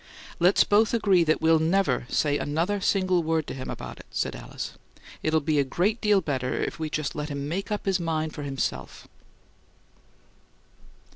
"Let's both agree that we'll NEVER say another single word to him about it," said Alice. "It'll be a great deal better if we just let him make up his mind for himself."